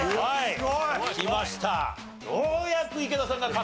はい。